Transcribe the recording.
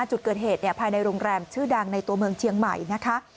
จุดเกิดเหตุภายในโรงแรมชื่อดังในตัวเมืองเชียงใหม่นะคะ